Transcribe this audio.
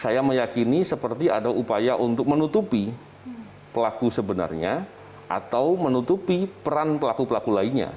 saya meyakini seperti ada upaya untuk menutupi pelaku sebenarnya atau menutupi peran pelaku pelaku lainnya